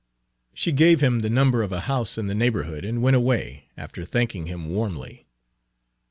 She gave him the number of a house in the neighborhood, and went away, after thanking him warmly.